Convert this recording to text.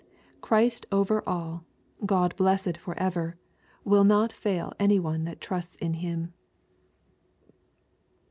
Christ over ail, God blessed forever, will not fail any one that trusts in Him.